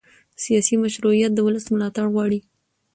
سیاسي مشروعیت د ولس ملاتړ غواړي